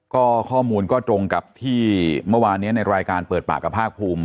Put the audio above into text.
ก็ข้อมูลก็ตรงกับที่เมื่อวานนี้ในรายการเปิดปากกับภาคภูมิ